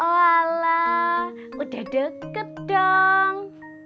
walah udah deket dong